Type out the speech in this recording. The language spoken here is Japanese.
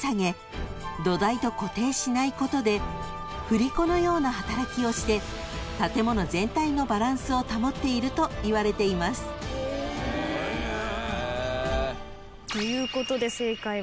［振り子のような働きをして建物全体のバランスを保っているといわれています］ということで。